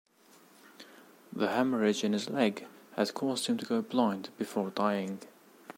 The hemorrhage in his leg had caused him to go blind before dying.